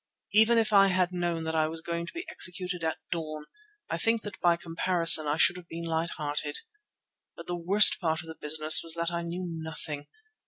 Even if I had known that I was going to be executed at dawn, I think that by comparison I should have been light hearted. But the worst part of the business was that I knew nothing.